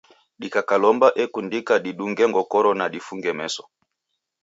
Dikakalomba ekundika didunge ngokoro na difunge meso.